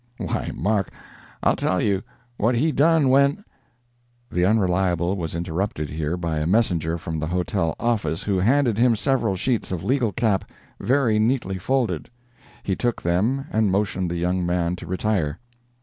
Why, Mark, I'll tell you what he done when—" The Unreliable was interrupted here by a messenger from the hotel office, who handed him several sheets of legal cap, very neatly folded. He took them and motioned the young man to retire.